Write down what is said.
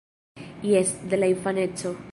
Jes, de la infaneco!